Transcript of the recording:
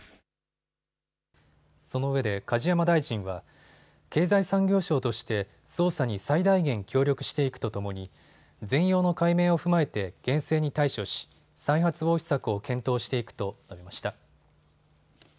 そのうえで梶山大臣は経済産業省として捜査に最大限協力していくとともに全容の解明を踏まえて厳正に対処し再発防止策を検討していくと述べました。